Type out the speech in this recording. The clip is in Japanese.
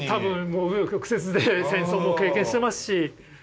もう紆余曲折で戦争も経験してますし。